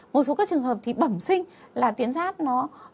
một số các trường hợp thì bẩm sinh là tiến giáp nó